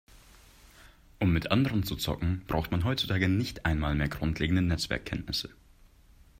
Um mit anderen zu zocken, braucht man heutzutage nicht einmal mehr grundlegende Netzwerkkenntnisse.